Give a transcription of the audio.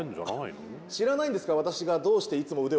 知らないんですか？